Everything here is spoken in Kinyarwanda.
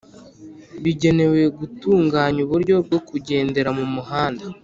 bigenewe gutunganya uburyo bwo kugendera mu muhanda